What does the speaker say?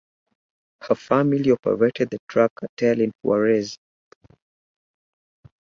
Her family operated the drug cartel in Juarez.